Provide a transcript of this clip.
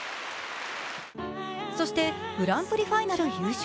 そしてグランプリファイナル優勝。